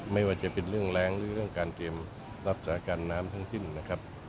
ไม่ว่าจะเป็นเรื่องแรงหรือเรื่องการเตรียมรับสถานการณ์น้ำทั้งสิ้นนะครับ